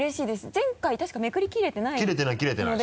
前回確かめくりきれてないので。